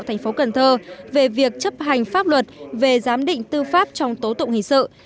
thành phố cần thơ về việc chấp hành pháp luật về giám định tư pháp trong tố tụng hình sự